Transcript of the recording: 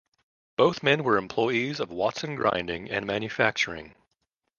Both men were employees of Watson Grinding and Manufacturing.